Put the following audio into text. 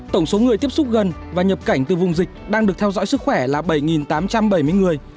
tổng số người tiếp xúc gần và nhập cảnh từ vùng dịch đang được theo dõi sức khỏe là bảy tám trăm bảy mươi người